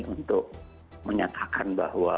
untuk menyatakan bahwa